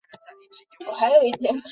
顺天府乡试第一百十一名。